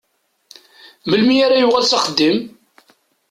Melmi ara yuɣal s axeddim?